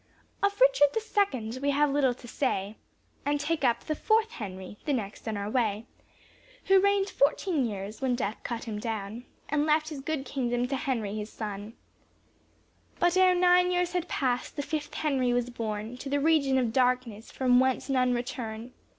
Of Richard the second we have little to say, And take up the fourth Henry, the next on our way, Who reigned fourteen years, when death cut him down And left his good Kingdom to Henry his son; But ere nine years had past, the fifth Henry was borne To the region of darkness from whence none return.